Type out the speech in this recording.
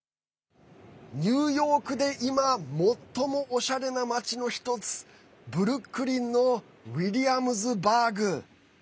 ニューヨークで今最もおしゃれな町の一つブルックリンのウィリアムズバーグ。